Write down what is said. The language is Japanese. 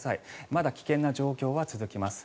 まだ危険な状況は続きます。